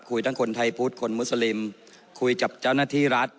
ทั้งคนไทยพุทธคนมุสลิมคุยกับเจ้าหน้าที่รัฐ